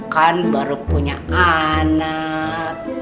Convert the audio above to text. kan baru punya anak